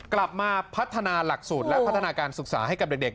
กลับมาพัฒนาหลักสูตรและพัฒนาการศึกษาให้กับเด็ก